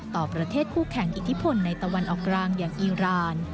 ต่อประเทศคู่แข่งอิทธิพลในตะวันออกกลางอย่างอีราน